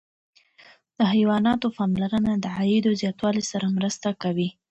د حیواناتو پاملرنه د عاید زیاتوالي سره مرسته کوي.